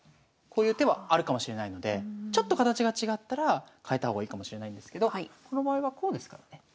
こういう手はあるかもしれないのでちょっと形が違ったら変えた方がいいかもしれないんですけどこの場合はこうですからね。